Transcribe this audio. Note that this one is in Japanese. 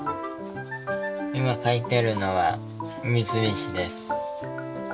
今描いてるのは三菱です。